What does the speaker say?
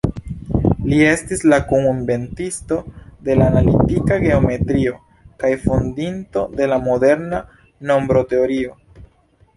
Li estis la kun-inventisto de la analitika geometrio kaj fondinto de la moderna nombroteorio.